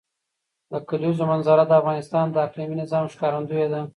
د کلیزو منظره د افغانستان د اقلیمي نظام ښکارندوی ده.